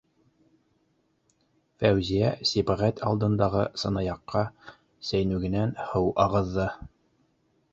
- Фәүзиә Сибәғәт алдындағы сынаяҡҡа сәйнүгенән һыу ағыҙҙы: